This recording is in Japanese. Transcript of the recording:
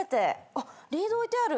あっリード置いてある。